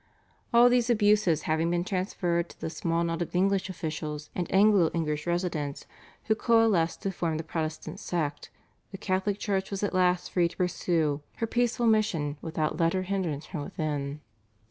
All these abuses having been transferred to the small knot of English officials and Anglo English residents, who coalesced to form the Protestant sect, the Catholic Church was at last free to pursue her peaceful mission without let or hindrance from within.